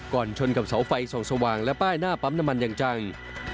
ชนกับเสาไฟส่องสว่างและป้ายหน้าปั๊มน้ำมันอย่างจัง